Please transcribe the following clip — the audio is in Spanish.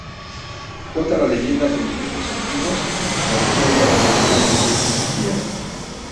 Cuenta la leyenda que en tiempos antiguos, la región yaqui vivió una intensa sequía.